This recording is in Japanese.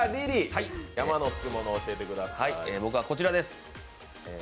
僕はこちらです。